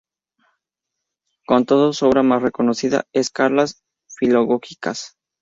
Con todo, su obra más reconocida es "Cartas filológicas".